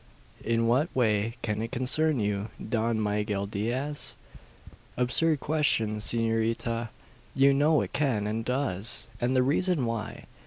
"In what way can it concern you, Don Miguel Diaz?" "Absurd question, S'norita! You know it can, and does; and the reason why.